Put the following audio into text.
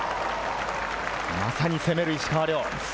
まさに攻める石川遼。